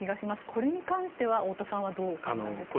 これに関しては太田さんはどうお考えですか？